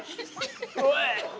おい！